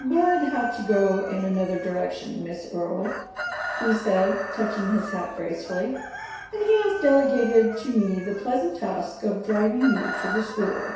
"Bud had to go in another direction, Miss Earle," he said, touching his hat gracefully, "and he has delegated to me the pleasant task of driving you to the school."